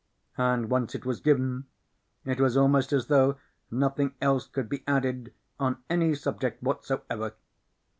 And once it was given, it was almost as though nothing else could be added on any subject whatsoever.